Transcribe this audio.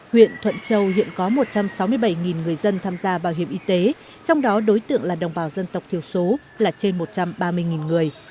huyện thuận châu hiện có một trăm sáu mươi bảy người dân tham gia bảo hiểm y tế trong đó đối tượng là đồng bào dân tộc thiểu số là trên một trăm ba mươi người